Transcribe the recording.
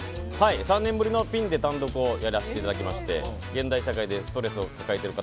３年ぶりのピンで単独をやらせていただきまして現代社会でストレスを抱えている方